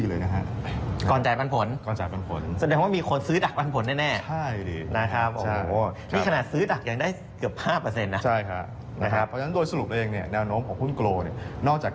ราคาหุ้นปักตัวได้ดีเลยนะครับ